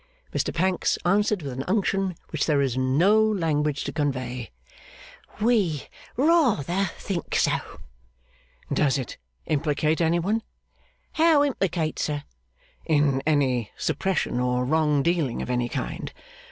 Mr Pancks answered, with an unction which there is no language to convey, 'We rather think so.' 'Does it implicate any one?' 'How implicate, sir?' 'In any suppression or wrong dealing of any kind?